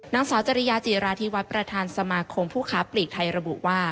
นางสาวจริยาจีราธิวัฒน์ประธานสมาคมผู้ค้าปลีกไทยระบุว่า